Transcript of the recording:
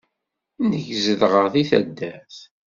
Nekk zedɣeɣ deg taddart.